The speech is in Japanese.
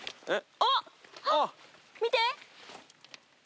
あっ見て。